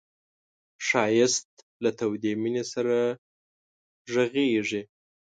ښایست له تودې مینې سره غږېږي